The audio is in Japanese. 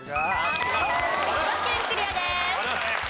千葉県クリアです。